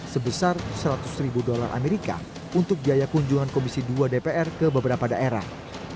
sebesar seratus ribu dolar amerika untuk biaya kunjungan komisi dua dpr ke beberapa daerah